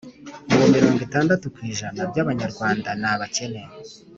ubu mirong itandatu ku ijana by'abanyarwanda ni abakene